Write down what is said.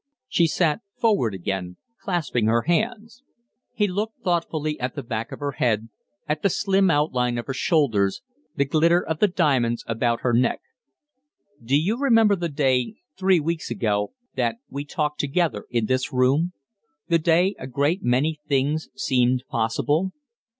She sat forward again, clasping her hands. He looked thoughtfully at the back of her head, at the slim outline of her shoulders, the glitter of the diamonds about her neck. "Do you remember the day, three weeks ago, that we talked together in this room? The day a great many things seemed possible?"